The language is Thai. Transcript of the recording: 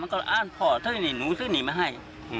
มันก็อ้าวพ่อเท่านี้หนูเท่านี้มาให้